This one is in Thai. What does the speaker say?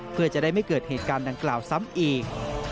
เพื่อจะได้ไม่เกิดเหตุการณ์ดังกล่าวซ้ำอีก